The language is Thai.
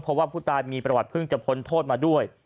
เพราะว่าผู้ตายมีประวัติเพิ่งจะพ้นโทษมาด้วย